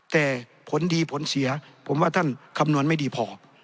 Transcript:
แต่ผลดีผลเสียผมว่าท่านคำนวณไม่ดีพอ